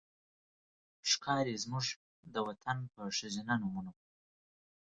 ښکاري زموږ د وطن په ښځېنه نومونو